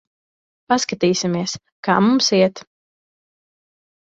Paskatīsimies, kā mums iet.